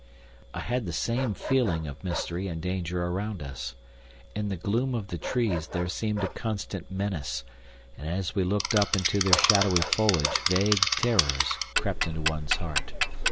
I had the same feeling of mystery and danger around us. In the gloom of the trees there seemed a constant menace and as we looked up into their shadowy foliage vague terrors crept into one's heart.